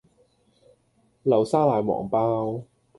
流沙奶黃包